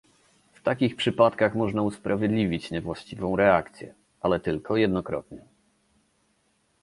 W takich przypadkach można usprawiedliwić niewłaściwą reakcję, ale tylko jednokrotnie